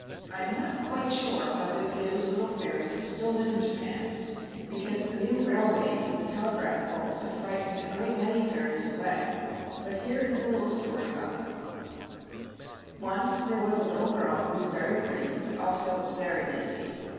I am not quite sure whether those little fairies still live in Japan, — because the new railways and the telegraph poles have frightened a great many fairies away. But here is a little story about them: Once there was a little girl who was very pretty, but also very lazy.